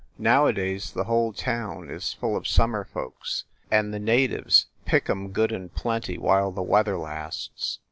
Nowadays the whole town is full of summer folks, and the natives pick em good and plenty while the weather lasts.